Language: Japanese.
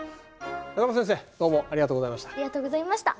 仲田先生どうもありがとうございました。